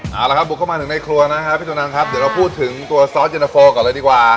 เอาละครับบุกเข้ามาถึงในครัวนะครับพี่จนังครับเดี๋ยวเราพูดถึงตัวซอสเย็นตะโฟก่อนเลยดีกว่า